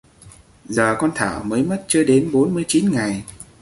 giờ con thảo mới mất chưa đến bốn mươi chín ngày